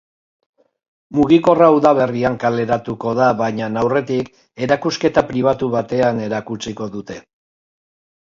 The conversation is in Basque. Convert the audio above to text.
Mugikorra udaberrian kaleratuko da baina aurretik, erakusketa pribatu batean erakutsiko dute.